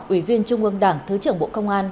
ủy viên trung ương đảng thứ trưởng bộ công an